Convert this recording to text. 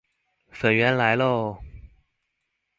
粉圓來囉